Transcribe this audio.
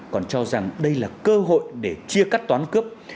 còn cho rằng đây là cơ hội để chia cắt toán cướp